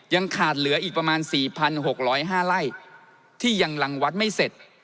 ยังขาดเหลืออีกประมาณ๔๖๐๕ไร่ที่ยังลังวัดไม่เสร็จ